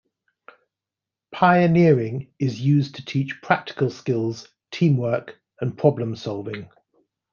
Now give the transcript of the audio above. Pioneering is used to teach practical skills, teamwork and problem solving.